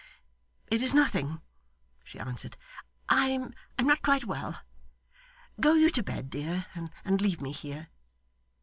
'It is nothing,' she answered. 'I am not quite well. Go you to bed, dear, and leave me here.